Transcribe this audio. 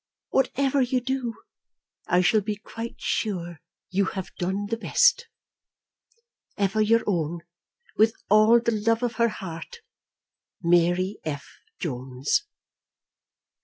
Whatever you do I shall be quite sure you have done the best. Ever your own, with all the love of her heart, MARY F. JONES.